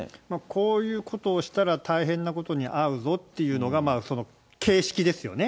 こういうことをしたら大変なことに遭うぞっていうのが形式ですよね。